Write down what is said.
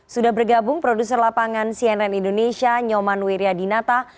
sudah bergabung produser lapangan cnn indonesia nyoman wiryadinata